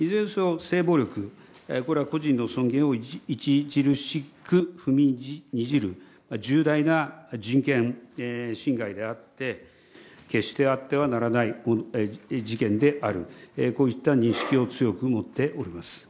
いずれにせよ性暴力、これは個人の尊厳を著しく踏みにじる重大な人権侵害であって、決してあってはならない事件である、こういった認識を強く持っております。